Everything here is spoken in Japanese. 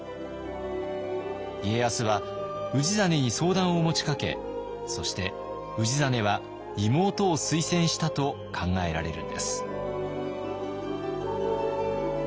家康は氏真に相談を持ちかけそして氏真は妹を推薦したと考えられるんです。